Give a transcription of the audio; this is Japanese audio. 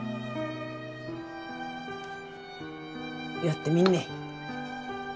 やってみんね。